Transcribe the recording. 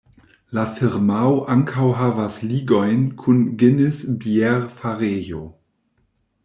La firmao ankaŭ havas ligojn kun Guinness Bierfarejo.